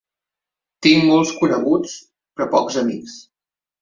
Tinc molts coneguts, però pocs amics.